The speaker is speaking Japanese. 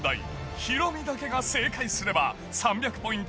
ヒロミだけが正解すれば３００ポイント